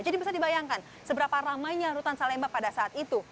jadi bisa dibayangkan seberapa ramainya rutan salemba pada saat itu